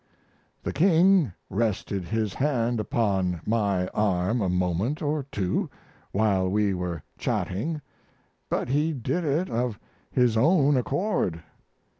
The King rested his hand upon my arm a moment or two while we were chatting, but he did it of his own accord.